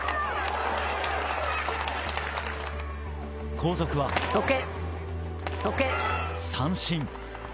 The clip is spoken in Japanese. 後続は三振。